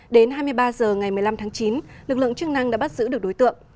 đến hai mươi ba h ngày một mươi năm tháng chín lực lượng chức năng đã bắt giữ được đối tượng